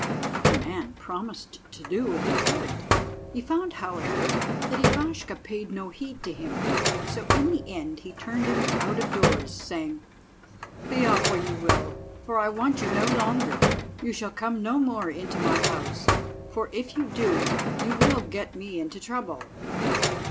The man promised to do what he could. He found, however, that Ivashka paid no heed to him, so in the end he turned him out of doors, saying— "Be off where you will, for I want you no longer; you shall come no more into my house, for if you do you will get me into trouble."